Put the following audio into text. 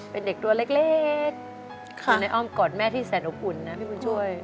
เป็นเด็กตัวเล็กอยู่ในอ้อมกอดแม่ที่แสนอบอุ่นนะพี่บุญช่วย